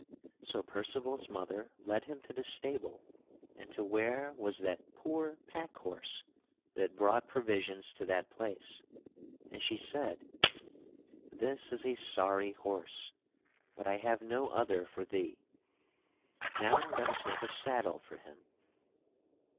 So Percival's mother led him to the stable and to where was that poor pack horse that brought provisions to that place, and she said: "This is a sorry horse but I have no other for thee. Now let us make a saddle for him."